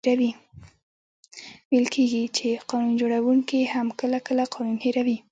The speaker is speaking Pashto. ویل کېږي چي قانون جوړونکې هم کله، کله قانون هېروي.